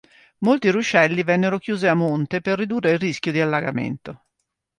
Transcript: Molti ruscelli vennero chiusi a monte per ridurre il rischio di allagamento.